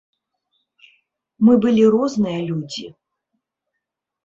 Мы былі розныя людзі.